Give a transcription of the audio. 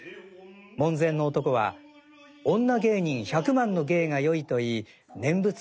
門前の男は女芸人百万の芸がよいと言い念仏を唱えます。